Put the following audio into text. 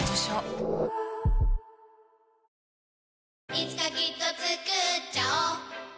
いつかきっとつくっちゃおう